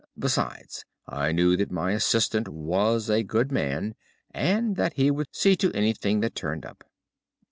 Besides, I knew that my assistant was a good man, and that he would see to anything that turned up.